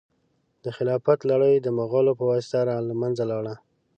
د خلافت لړۍ د مغولو په واسطه له منځه ولاړه.